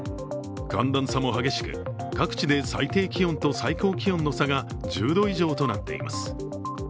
寒暖差も激しく、各地で最低気温と最高気温の差が１０度以上となっています。